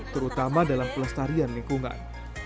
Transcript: terutama dalam pelestarian lingkungan